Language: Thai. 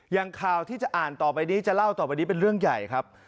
อย่างข่าวที่จะอ่านต่อไปนี้จะเล่าต่อไปนี้เป็นเรื่องใหญ่ครับ